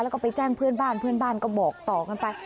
แล้วก็ไปแจ้งเพื่อนบ้านเพื่อนบ้านก็บอกต่อกันไป